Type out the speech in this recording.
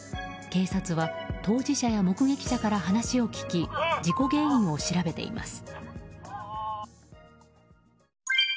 警察は、当事者や目撃者から話を聞き事故原因を調べています。